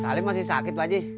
salim masih sakit wajih